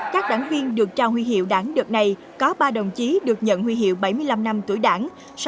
các đảng viên được trao huy hiệu đảng đợt này có ba đồng chí được nhận huy hiệu bảy mươi năm năm tuổi đảng